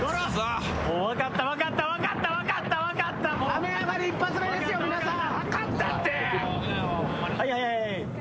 雨上がり一発目ですよ、皆さん。